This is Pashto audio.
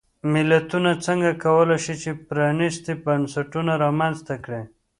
ملتونه څنګه کولای شي چې پرانیستي بنسټونه رامنځته کړي.